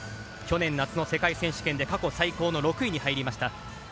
去年夏の世界選手権で過去最高の６位に入りました。